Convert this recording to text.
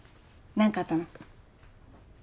何かあったの？